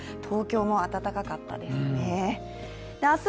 東京も暖かかったですね。